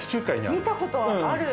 あっ見たことある！